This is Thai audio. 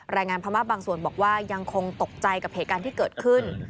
แรงงานพม่าบางส่วนบอกว่ายังคงตกใจกับเหตุการณ์ที่เกิดขึ้น